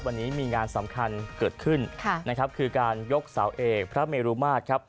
วันนี้มีงานสำคัญเกิดขึ้นนะครับคือการยกเสาเอกพระเมรุมาตรครับ